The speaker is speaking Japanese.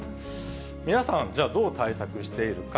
皆さん、じゃあ、どう対策しているか。